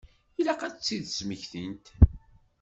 Ilaq ad tt-id-smektint.